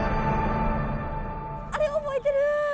あれ覚えてる！